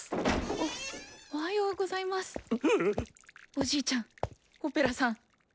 おじいちゃんオペラさん。